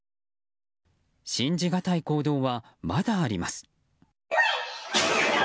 信じがたい行動はまだあります。